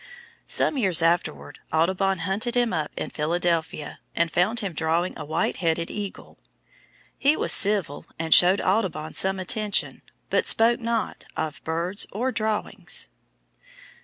Some years afterward, Audubon hunted him up in Philadelphia, and found him drawing a white headed eagle. He was civil, and showed Audubon some attention, but "spoke not of birds or drawings."